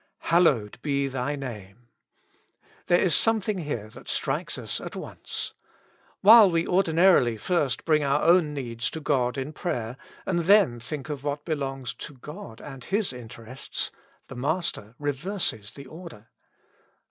^^ Hallowed be Thy name.^^ There is something here that strikes us at once. While we ordinarily first bring our own needs to God in prayer, and then think of what belongs to God and His interests, the Master reverses the order.